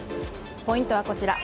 ポイントはこちら。